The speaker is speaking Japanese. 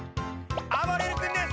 あばれる君です！